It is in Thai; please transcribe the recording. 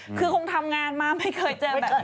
นี่เราทำงานมาไม่เคยเจอแบบนี้